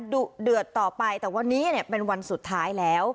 ดุเดือดต่อไปแต่วันนี้เนี่ยเป็นวันสุดท้ายแล้ว